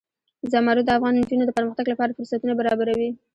زمرد د افغان نجونو د پرمختګ لپاره فرصتونه برابروي.